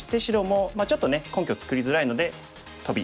ちょっとね根拠作りづらいのでトビ。